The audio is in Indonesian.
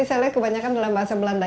saya lihat kebanyakan dalam bahasa belanda